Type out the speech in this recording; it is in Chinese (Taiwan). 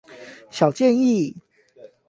小建議